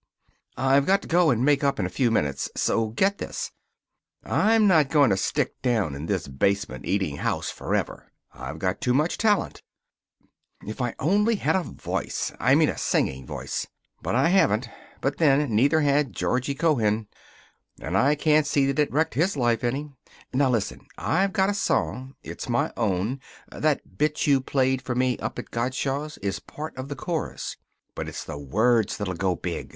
"I've got to go and make up in a few minutes. So get this. I'm not going to stick down in this basement eating house forever. I've got too much talent. If I only had a voice I mean a singing voice. But I haven't. But then, neither had Georgie Cohan, and I can't see that it wrecked his life any. Now listen. I've got a song. It's my own. That bit you played for me up at Gottschalk's is part of the chorus. But it's the words that'll go big.